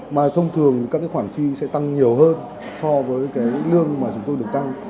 mà thông thường thì các cái khoản chi sẽ tăng nhiều hơn so với cái lương mà chúng tôi được tăng